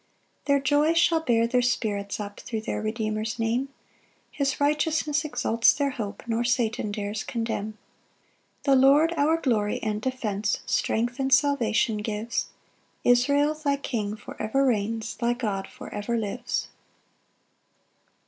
2 Their joy shall bear their spirits up Thro' their Redeemer's Name; His righteousness exalts their hope, Nor Satan dares condemn. 3 The Lord, our glory and defence, Strength and salvation gives; Israel, thy king for ever reigns, Thy God for ever lives.